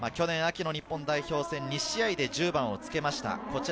去年、秋の日本代表戦２試合で１０番をつけました。